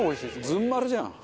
ずん丸じゃん！